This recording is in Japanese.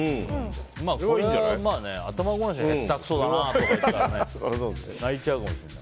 これは頭ごなしに下手くそだなとか言ったら泣いちゃうかもしれない。